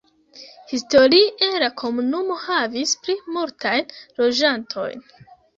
Historie la komunumo havis pli multajn loĝantojn.